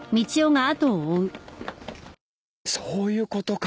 「そういうことか！」